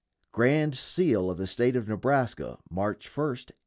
GRAND SEAL OF THE STATE OF NEBRASKA, MARCH 1, 1887.